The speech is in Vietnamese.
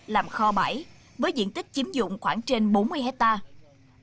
làm kho bãi với diện tích chiếm dụng khoảng trên bốn mươi hectare